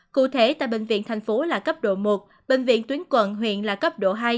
cụ thể tại bệnh viện thành phố là cấp độ một bệnh viện tuyến quận huyện là cấp độ hai